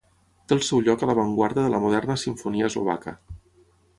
Té el seu lloc a l'avantguarda de la moderna simfonia eslovaca.